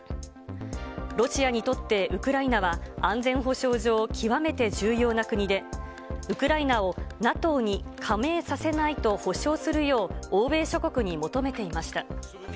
ロシアにとってウクライナは、安全保障上、極めて重要な国で、ウクライナをＮＡＴＯに加盟させないと保証するよう欧米諸国に求めていました。